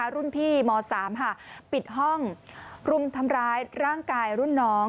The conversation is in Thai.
รุ่นพี่ม๓ปิดห้องรุมทำร้ายร่างกายรุ่นน้อง